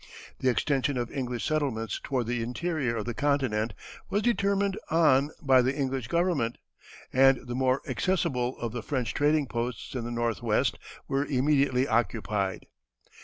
The extension of English settlements toward the interior of the continent was determined on by the English Government, and the more accessible of the French trading posts in the northwest were immediately occupied.